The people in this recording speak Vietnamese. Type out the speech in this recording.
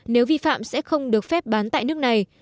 nếu vi phạm sẽ không được phép bán tại nước này